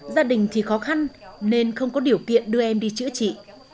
gia đình thì khó khăn nên không có điều kiện đưa em đi chữa trị